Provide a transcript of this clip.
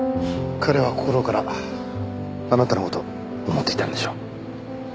彼は心からあなたの事を思っていたのでしょう。